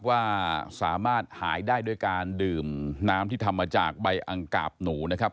ว่าสามารถหายได้ด้วยการดื่มน้ำที่ทำมาจากใบอังกาบหนูนะครับ